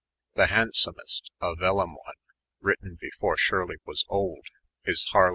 The handsomest, a vellum one, written before Shirley was old, is Harl.